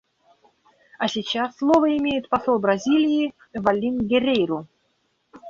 А сейчас слово имеет посол Бразилии Валлин Геррейру.